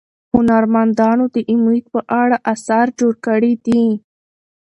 هنرمندانو د امید په اړه اثار جوړ کړي دي.